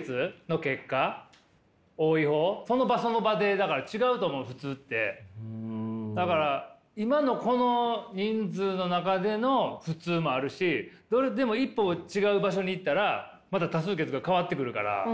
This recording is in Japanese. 僕がだから常々思ってたのは今のこの人数の中での普通もあるしでも一歩違う場所に行ったらまた多数決が変わってくるから。